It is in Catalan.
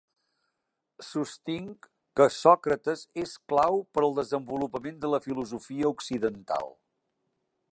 Sostinc que Sòcrates és clau per al desenvolupament de la filosofia occidental.